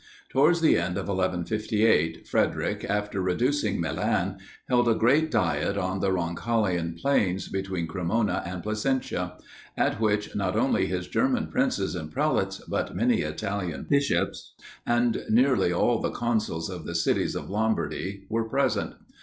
Towards the end of 1158, Frederic, after reducing Milan, held a great Diet on the Roncalian Plains, between Cremona and Placentia; at which, not only his German princes and prelates, but many Italian bishops, and nearly all the consuls of the cities of Lombardy, were present.